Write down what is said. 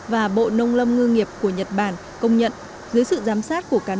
và lý cuối cùng là lý thuyền